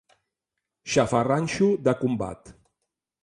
Xafarranxo de combat.